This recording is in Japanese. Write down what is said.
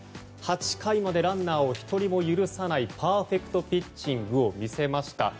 ８回までランナーを１人も許さないパーフェクトピッチングを見せました。